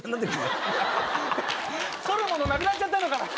剃るものなくなっちゃったのかなって。